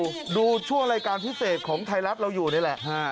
ดูช่วงรายการพิเศษของไทยรัฐเราอยู่นี่แหละ